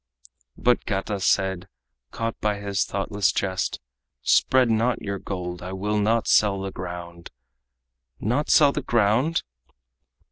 But Gata said, caught by his thoughtless jest: "Spread not your gold I will not sell the ground." "Not sell the ground?"